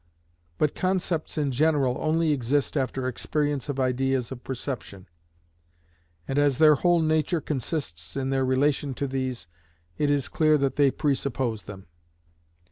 But concepts in general only exist after experience of ideas of perception, and as their whole nature consists in their relation to these, it is clear that they presuppose them.